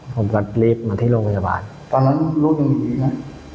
ผมก็รีบมาที่โรงพยาบาลตอนนั้นลูกยังหนีไหม